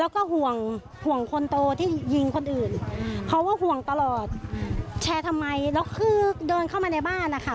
แล้วก็ห่วงห่วงคนโตที่ยิงคนอื่นเพราะว่าห่วงตลอดแชร์ทำไมแล้วคือเดินเข้ามาในบ้านนะคะ